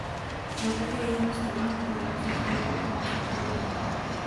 Byl také jedním z prvních průvodců Spolku ochránců přírody.